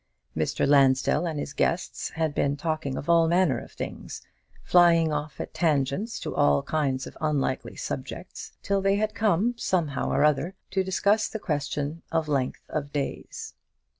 Mr. Lansdell and his guests had been talking of all manner of things; flying off at tangents to all kinds of unlikely subjects; till they had come, somehow or other, to discuss the question of length of days.